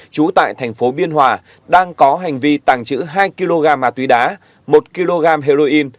trú tại thành phố biên hòa đang có hành vi tàng trữ hai kg ma túy đá một kg heroin